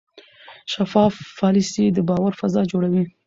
شفاف پالیسي د باور فضا جوړوي.